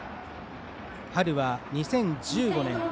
春は２０１５年